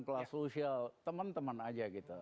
kelas sosial teman teman aja gitu